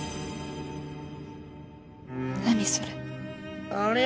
何それ。